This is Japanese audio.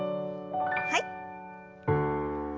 はい。